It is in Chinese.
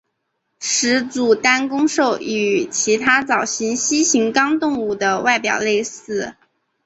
始祖单弓兽与其他早期蜥形纲动物的外表类似。